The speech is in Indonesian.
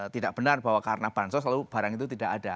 tidak benar bahwa karena bansos lalu barang itu tidak ada